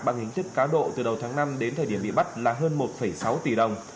bằng hình thức cá độ từ đầu tháng năm đến thời điểm bị bắt là hơn một sáu tỷ đồng